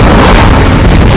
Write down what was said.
apakah yang kami